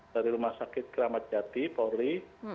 dari rumah sakit keramat jati polri